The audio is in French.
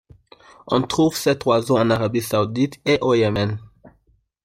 On trouve cet oiseau en Arabie saoudite et au Yémen.